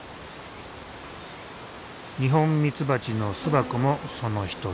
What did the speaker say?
ニホンミツバチの巣箱もその一つ。